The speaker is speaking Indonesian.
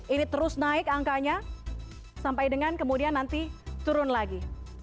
ini terus naik angkanya sampai dengan kemudian nanti turun lagi